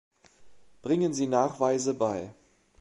Bringen Sie Nachweise bei.